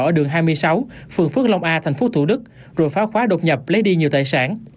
ở đường hai mươi sáu phường phước long a tp thủ đức rồi phá khóa đột nhập lấy đi nhiều tài sản